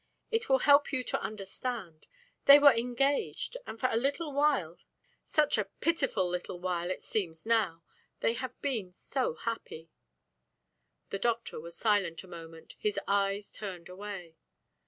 It will help you to understand. They were engaged, and for a little while, such a pitiful little while it seems now, they have been so happy." The doctor was silent a moment, his eyes turned away.